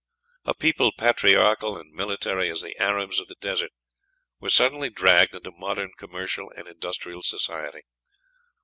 A people patriarchal and military as the Arabs of the desert were suddenly dragged into modern commercial and industrial society.